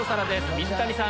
水谷さん